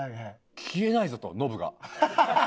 消えないぞとノブが。